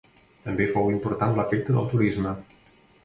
També fou important l'efecte del turisme.